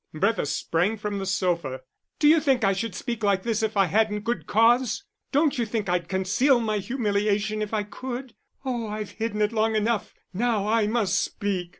Bertha sprang from the sofa. "D'you think I should speak like this if I hadn't good cause? Don't you think I'd conceal my humiliation if I could? Oh, I've hidden it long enough; now I must speak.